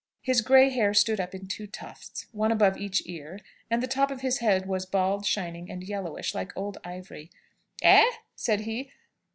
His grey hair stood up in two tufts, one above each ear, and the top of his head was bald, shining, and yellowish, like old ivory. "Eh?" said he.